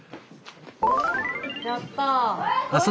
やった。